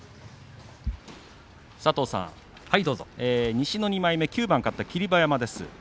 西の２枚目９番勝った霧馬山です。